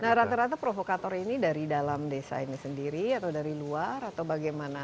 nah rata rata provokator ini dari dalam desa ini sendiri atau dari luar atau bagaimana